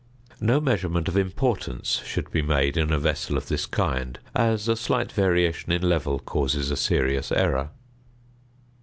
No measurement of importance should be made in a vessel of this kind, as a slight variation in level causes a serious error.